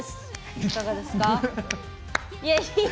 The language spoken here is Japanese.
いかがですか？